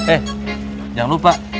eh jangan lupa